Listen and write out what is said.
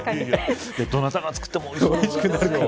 どなたが作ってもおいしくなるよ。